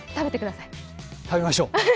食べましょう。